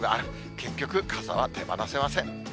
結局、傘は手放せません。